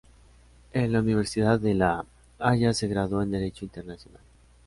En la Universidad de La Haya se graduó en Derecho Internacional.